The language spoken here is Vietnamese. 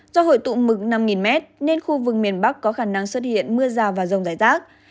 do hội tụ mực năm m nên khu vực miền bắc có khả năng xuất hiện mưa rào và rông rải rác